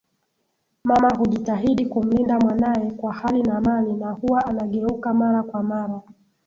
Mama hujitahidi kumlinda mwanae kwa hali na mali na huwa anageuka mara kwa mara